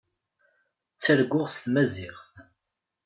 Ttarguɣ s tmaziɣt.